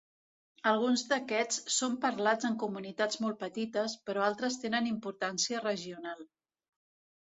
Alguns d'aquests són parlats en comunitats molt petites, però altres tenen importància regional.